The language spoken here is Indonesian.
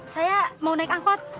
saya mau naik angkut